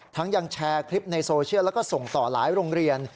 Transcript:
ยังแชร์คลิปในโซเชียลแล้วก็ส่งต่อหลายโรงเรียน